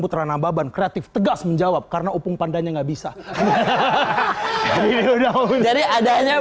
putra nababan kreatif tegas menjawab karena upung pandanya nggak bisa hahaha jadi adanya